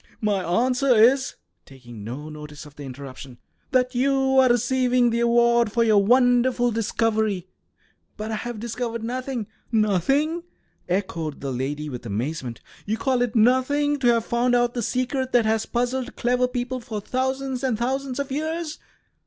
"My answer is," taking no notice of the interruption, "that you are receiving the award for your wonderful discovery." "But I have discovered nothing." "Nothing!" echoed the lady, with amazement. "You call it nothing to have found out the secret that has puzzled clever people for thousands and thousands of years?